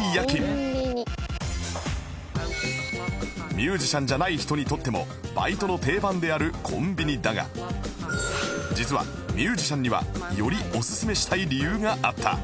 ミュージシャンじゃない人にとってもバイトの定番であるコンビニだが実はミュージシャンにはよりおすすめしたい理由があった